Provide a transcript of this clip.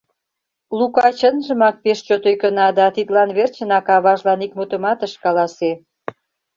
Лука чынжымак пеш чот ӧкына да тидлан верчынак аважлан ик мутымат ыш каласе.